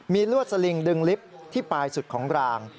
มีลวดสลิงดึงลิฟท์ที่ปลายสุดของราง